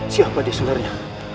siapa dia sebenarnya